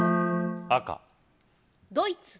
赤ドイツ